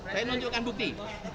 saya nunjukkan bukti